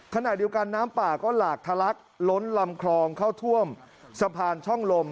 ขณะเดียวกันน้ำป่าก็หลากทะลักล้นลำคลองเข้าท่วมสะพานช่องลม